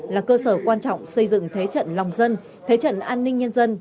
là cơ sở quan trọng xây dựng thế trận lòng dân thế trận an ninh nhân dân